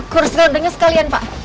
kurus gondengnya sekalian pak